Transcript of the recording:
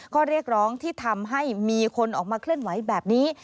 ข้อเรียกร้องที่ทำให้มีคนออกมาเคลื่อนไหวแบบนี้